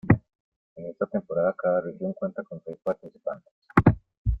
En esta temporada cada Región cuenta con seis participantes.